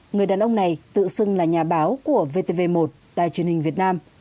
người đàn ông này tự xưng là nhà báo của vtv một đài truyền hình việt nam